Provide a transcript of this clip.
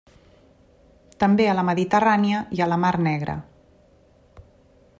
També a la Mediterrània i a la Mar Negra.